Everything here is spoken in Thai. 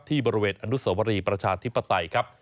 บริเวณอนุสวรีประชาธิปไตยครับ